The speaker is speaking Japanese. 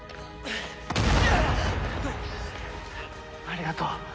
ありがとう。